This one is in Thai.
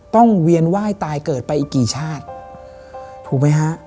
เวียนไหว้ตายเกิดไปอีกกี่ชาติถูกไหมฮะ